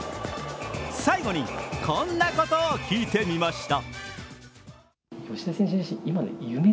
最後にこんなことを聞いてみました。